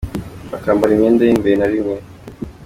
bakambara imyenda y’imbere rimwe na